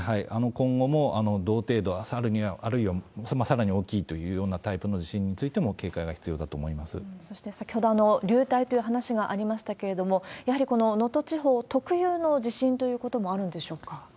今後も同程度、あるいはさらに大きいというようなタイプの地震についても警戒がそして、先ほど流体という話がありましたけれども、やはりこの能登地方特有の地震ということもあるんでしょうか？